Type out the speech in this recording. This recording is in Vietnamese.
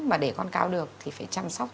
mà để con cao được thì phải chăm sóc